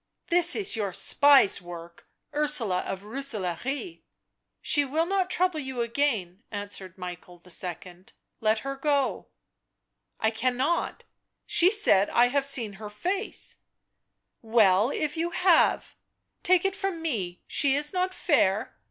" This is your spy's work, Ursula of Rooselaare." " She will not trouble you again," answered Michael II., " let her go." " I cannot — she said I had seen her face "" Well, if you have ?— take it from me she is not fair."